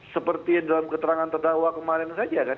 seperti dalam keterangan terdawa kemarin saja kan